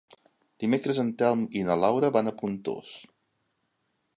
Dimecres en Telm i na Laura van a Pontós.